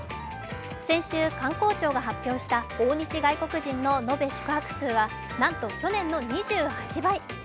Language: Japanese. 先週、観光庁が発表した訪日外国人の延べ宿泊者数は、なんと去年の２８倍。